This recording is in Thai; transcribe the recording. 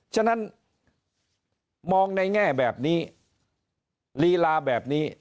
ฉะนั้นมองในแง่แบบนี้ลีลาแบบนี้